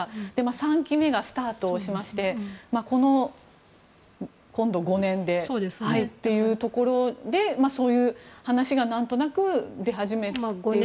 ３期目がスタートしまして今度、５年でっていうところでそういう話がなんとなく出始めて。